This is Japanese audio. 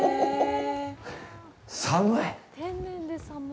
寒い。